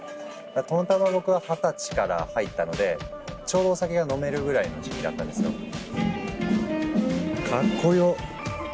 僕は二十歳から入ったのでちょうどお酒が飲めるぐらいの時期だったんですよ。カッコ良！